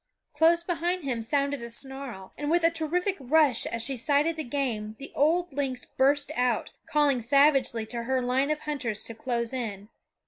Close behind him sounded a snarl, and with a terrific rush as she sighted the game the old lynx burst out, calling savagely to her line of hunters to close in.